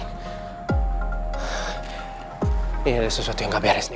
ini sesuatu yang gak beres nih